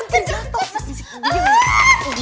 mas di jatoh mas